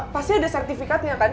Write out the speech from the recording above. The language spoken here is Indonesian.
pasti ada sertifikatnya kan